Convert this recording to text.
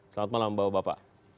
selamat malam bapak